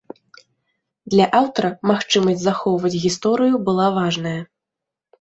Для аўтара магчымасць захоўваць гісторыю была важная.